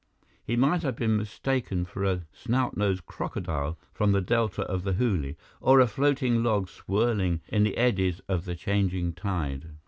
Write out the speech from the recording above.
He might have been mistaken for a snout nosed crocodile from the delta of the Hooghly, or a floating log swirling in the eddies of the changing tide.